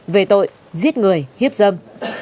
về tội giết người hiếp dâm